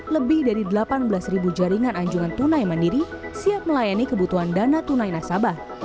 lebih dari delapan belas ribu jaringan anjungan tunai mandiri siap melayani kebutuhan dana tunai nasabah